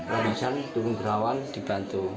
orang pingsan turun gunawan dibantu